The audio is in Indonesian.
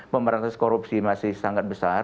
pemberantas korupsi masih sangat besar